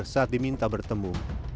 biasa diminta bertemu